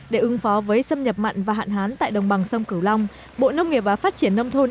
để ứng phó với xâm nhập mặn và hạn hán tại đồng bằng sông cửu long bộ nông nghiệp và phát triển nông thôn